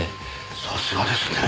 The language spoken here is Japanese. さすがですねえ。